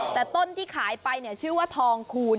แต่ต้นที่ขายไปชื่อว่าทองคูณ